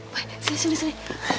pak sini sini